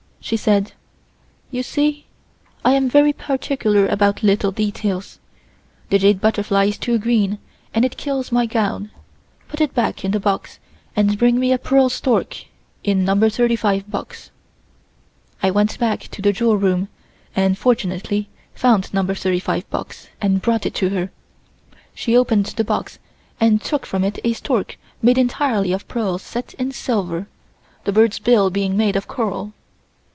She said: "You see I am very particular about little details. The jade butterfly is too green and it kills my gown. Put it back in the box and bring me a pearl stork in No. 35 box." I went back to the jewel room and fortunately found No. 35 box and brought it to her. She opened the box and took from it a stork made entirely of pearls set in silver, the bird's bill being made of coral.